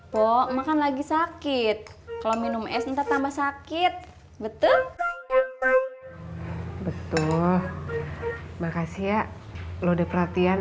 pok makan lagi sakit kalau minum es entah tambah sakit betul betul makasih ya lu udah perhatian